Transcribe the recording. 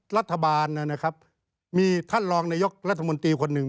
รัฐบาลนะครับมีท่านรองนายกรัฐมนตรีคนหนึ่ง